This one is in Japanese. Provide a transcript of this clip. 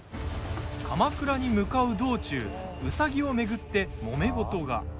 鎌倉に向かう道中兎を巡ってもめごとが。